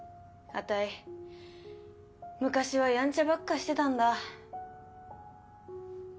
あたい昔はヤンチャばっかしてたんだ。